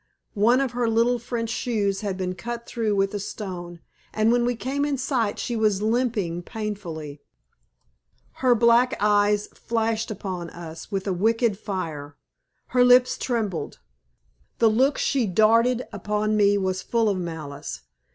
One of her little French shoes had been cut through with a stone, and when we came in sight she was limping painfully. Her black eyes flashed upon us with a wicked fire. Her lips trembled. The look she darted upon me was full of malice.